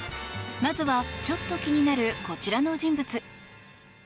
まずはちょっと気になるこちらの人物。